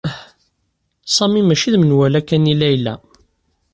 Sami mačči d menwala kan i Layla